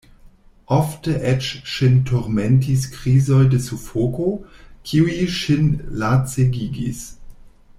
Ofte eĉ ŝin turmentis krizoj de sufoko, kiuj ŝin lacegigis.